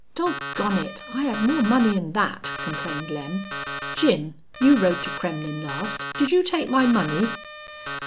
"Dog gone it! I hed more money 'n thet," complained Lem. "Jim, you rode to Kremmlin' last. Did you take my money?"